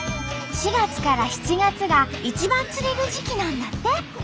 ４月から７月が一番釣れる時期なんだって。